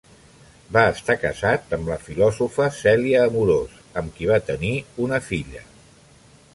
Va estar casat amb la filòsofa Cèlia Amorós, amb qui va tenir una filla.